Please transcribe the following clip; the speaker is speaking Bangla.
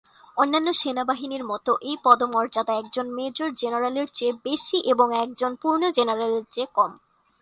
অন্যান্য সেনাবাহিনীর মতো, এই পদমর্যাদা, একজন মেজর জেনারেলের চেয়ে বেশি এবং একজন পূর্ণ জেনারেলের চেয়ে কম।